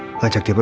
sekali lagi ya pak